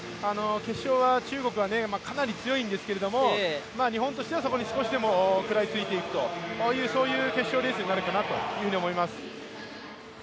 決勝は中国はかなり強いんですけど、日本としてはそこに少しでも食らいついていくという決勝レースになるかなと思います。